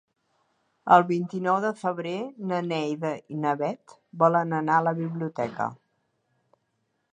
El vint-i-nou de febrer na Neida i na Bet volen anar a la biblioteca.